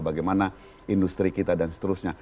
bagaimana industri kita dan seterusnya